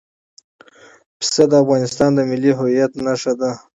پسه د افغانستان د ملي هویت نښه ده.